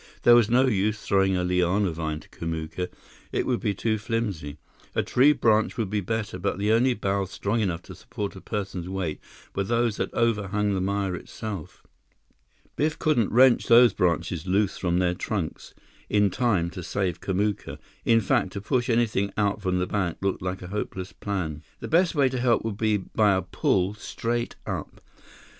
There was no use throwing a liana vine to Kamuka; it would be too flimsy. A tree branch would be better, but the only boughs strong enough to support a person's weight were those that overhung the mire itself. Biff couldn't wrench those branches loose from their trunks in time to save Kamuka. In fact, to push anything out from the bank looked like a hopeless plan. The best way to help would be by a pull straight up.